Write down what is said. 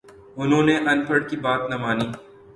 انہوں نے اَن پڑھ کی بات نہ مانی